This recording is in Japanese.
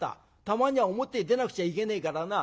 たまには表へ出なくちゃいけねえからな。